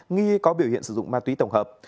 nghi có biểu hiện sử dụng ma túy tổng hợp